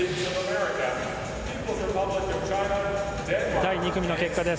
第２組の結果です。